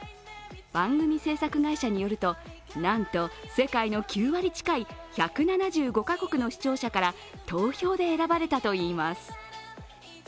番組制作会社によると、なんと世界の９割近い１７５カ国の視聴者から投票で選ばれたといいます。